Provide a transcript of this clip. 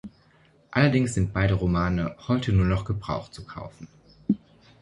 Allerdings sind beide Romane heute nur noch gebraucht zu kaufen.